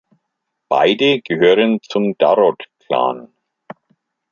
Beide gehören zum Darod-Clan.